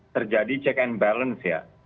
terjadi check and balance ya